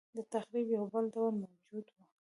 دتخریب یو بل ډول موجود و.